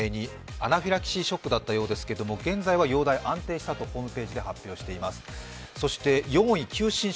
アナフィラキシーショックだったようですけど、現在は容体安定したとホームページで発表してまいす。